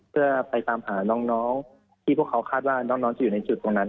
เพื่อไปตามหาน้องที่พวกเขาคาดว่าน้องจะอยู่ในจุดตรงนั้น